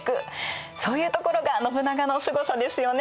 そういうところが信長のすごさですよね。